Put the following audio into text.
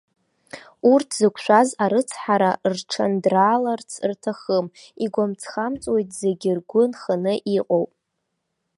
Урҭ зықәшәаз арыцҳара рҽандрааларц рҭахым, игәамҵхамҵуеит, зегь ргәы нханы иҟоуп.